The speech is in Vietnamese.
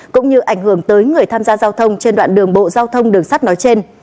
cũng như ảnh hưởng tới người tham gia giao thông trên đoạn đường bộ giao thông đường sắt nói trên